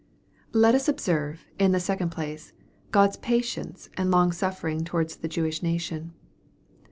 Let us observe, in the second place, God 's patience and longsuffering towards the Jewish nation.